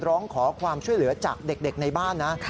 ร้องขอความช่วยเหลือจากเด็กในบ้านนะ